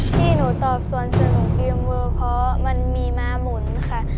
ที่หนูตอบส่วนของเกมเวอร์เพราะมันมีมาหมุนค่ะ